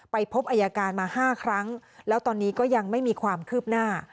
พบอายการมา๕ครั้งแล้วตอนนี้ก็ยังไม่มีความคืบหน้า